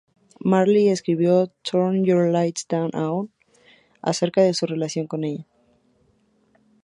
Marley escribió "Turn Your Lights Down Low" acerca de su relación con ella.